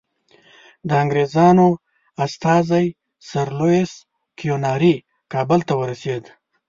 د انګریزانو استازی سر لویس کیوناري کابل ته ورسېد.